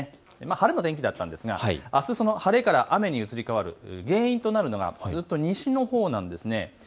晴れの天気だったんですが、あす晴れから雨に移り変わる原因というのがずっと西のほうなんです。